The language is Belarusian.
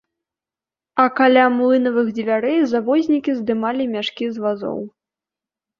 А каля млынавых дзвярэй завознікі здымалі мяшкі з вазоў.